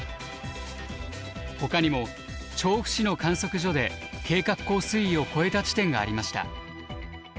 ほかにも調布市の観測所で計画高水位を超えた地点がありました。